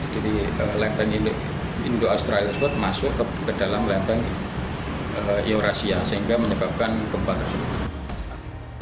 jadi lempen indo australia masuk ke dalam lempen eurasia sehingga menyebabkan gempa tersebut